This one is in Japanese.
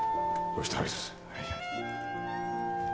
どうした？